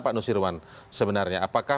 pak nusirwan sebenarnya apakah